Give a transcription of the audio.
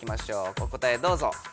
お答えどうぞ。